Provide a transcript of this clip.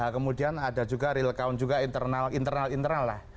kemudian ada juga real count juga internal internal lah